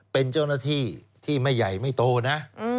เป็นเจ้าหน้าที่ที่ไม่ใหญ่ไม่โตนะ